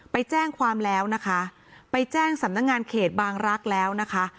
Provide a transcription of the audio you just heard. ไปแจ้งความแล้วนะคะไปแจ้งสำนักงานเขตบางรักษ์แล้วนะคะ